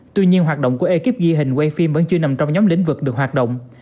tuy nhiên hoạt động của ekip ghi hình quay phim vẫn chưa nằm trong nhóm lĩnh vực được hoạt động